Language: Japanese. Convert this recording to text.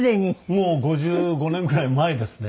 もう５５年ぐらい前ですね。